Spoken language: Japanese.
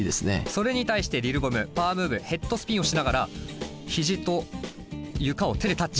それに対してＬＩＬ’ＢＯＭパワームーブヘッドスピンをしながら肘と床を手でタッチ。